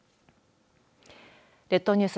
列島ニュース